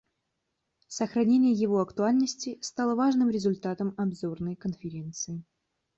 Сохранение его актуальности стало важным результатом Обзорной конференции.